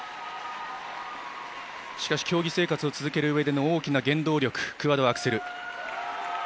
しかし競技生活を続けるうえでの大きな原動力クアッドアクセル。